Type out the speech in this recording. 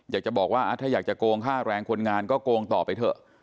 อยากจะบอกว่าถ้าอยากจะโกงค่าแรงคนงานก็โกงต่อไปเถอะ